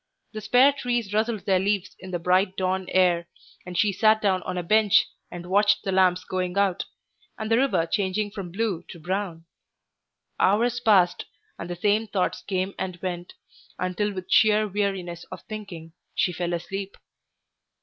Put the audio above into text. The spare trees rustled their leaves in the bright dawn air, and she sat down on a bench and watched the lamps going out, and the river changing from blue to brown. Hours passed, and the same thoughts came and went, until with sheer weariness of thinking she fell asleep.